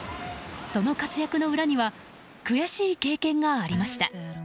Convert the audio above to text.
その活躍の裏には悔しい経験がありました。